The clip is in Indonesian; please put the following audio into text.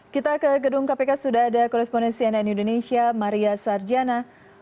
kita ke gedung kpk sudah ada korespondensi nn indonesia maria sarjana